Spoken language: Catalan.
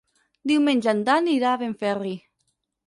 Diumenge en Dan irà a Benferri.